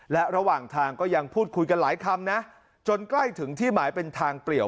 และระหว่างทางก็ยังพูดคุยกันหลายคำนะจนใกล้ถึงที่หมายเป็นทางเปลี่ยว